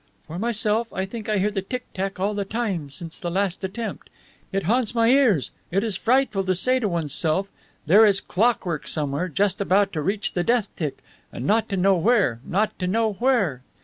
"For myself, I think I hear the tick tack all the time since the last attempt. It haunts my ears, it is frightful, to say to one's self: There is clockwork somewhere, just about to reach the death tick and not to know where, not to know where!